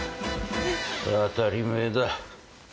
当たり前だ。